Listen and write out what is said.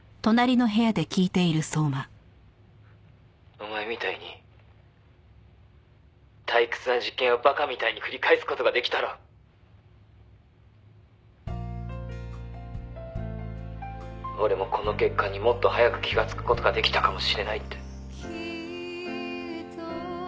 「お前みたいに退屈な実験をバカみたいに繰り返す事が出来たら俺もこの欠陥にもっと早く気がつく事が出来たかもしれないって」